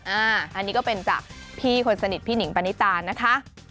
อันนี้ก็เป็นจากพี่คนสนิทพี่หนิงปณิตานะคะ